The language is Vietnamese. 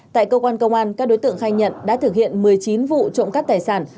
tại cơ quan công an các đối tượng khai nhận đã thực hiện một mươi chín vụ trộm cắp tài sản